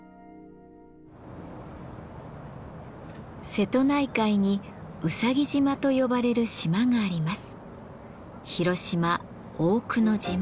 瀬戸内海にうさぎ島と呼ばれる島があります。